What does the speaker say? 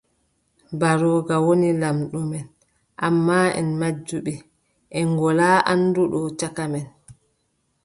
Mbarooga woni laamɗo men, ammaa, en majjuɓe, en ngolaa annduɗo caka men.